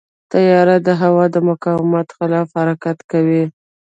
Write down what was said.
طیاره د هوا د مقاومت خلاف حرکت کوي.